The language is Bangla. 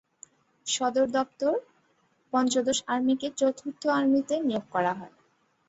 সদর দপ্তর, পঞ্চদশ আর্মিকে চতুর্থ আর্মিতে নিয়োগ করা হয়।